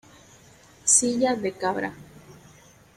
Silla de Cabra.